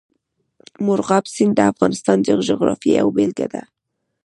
مورغاب سیند د افغانستان د جغرافیې یوه بېلګه ده.